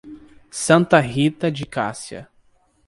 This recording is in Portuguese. Santa Rita de Cássia